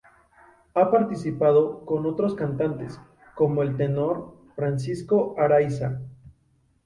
Ha participado con otros cantantes como el tenor Francisco Araiza.